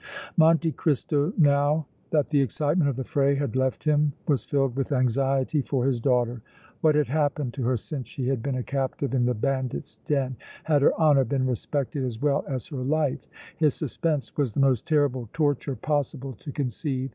Monte Cristo now that the excitement of the fray had left him was filled with anxiety for his daughter. What had happened to her since she had been a captive in the bandits' den? Had her honor been respected as well as her life? His suspense was the most terrible torture possible to conceive.